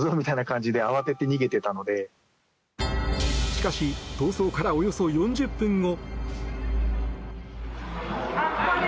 しかし、逃走からおよそ４０分後。